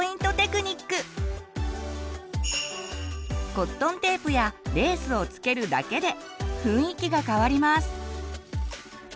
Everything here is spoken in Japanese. コットンテープやレースを付けるだけで雰囲気が変わります。